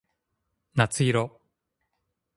夏色